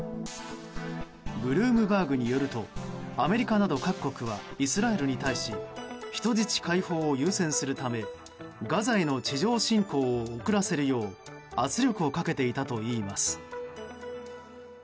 ブルームバーグによるとアメリカなど各国はイスラエルに対し人質解放を優先するためガザへの地上侵攻を遅らせるよう圧力をかけていたといいます。